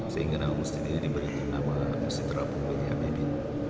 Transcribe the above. sehingga namanya masjid ini diberi nama masjid rabu bj habibie